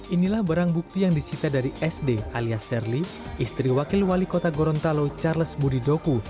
inilah barang bukti yang disita dari sd alias serli istri wakil wali kota gorontalo charles budi doku